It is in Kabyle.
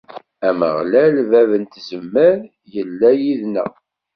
Ameɣlal, bab n tzemmar, illa yid-neɣ.